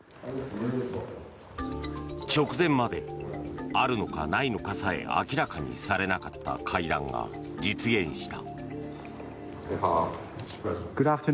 直前まであるのかないのかさえ明らかにされなかった会談が実現した。